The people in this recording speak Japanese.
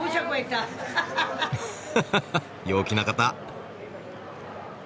ハハハッ陽気な方。